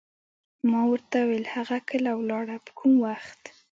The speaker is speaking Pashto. ما ورته وویل: هغه کله ولاړه، په کوم وخت؟